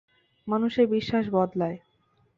মানুষের বিশ্বাস বদলায়।